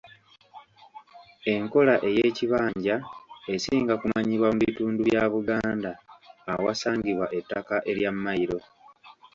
Enkola ey'ekibanja esinga kumanyibwa mu bitundu bya Buganda ewasangibwa ettaka erya Mailo.